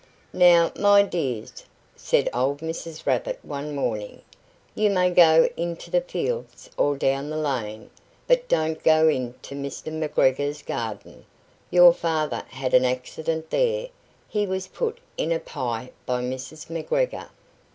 "Now, my dears," said old Mrs. Rabbit, one morning, "you may go into the fields or down the lane, but don't go into Mr. McGregor's garden: your Father had an accident there; he was put in a pie by Mrs. McGregor."